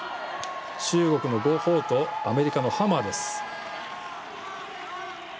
中国の呉鵬とアメリカのハマーです。